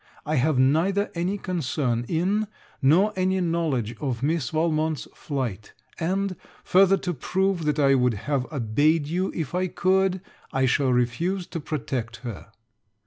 I have neither any concern in, nor any knowledge of Miss Valmont's flight; and, further to prove that I would have obeyed you if I could, I shall refuse to protect her.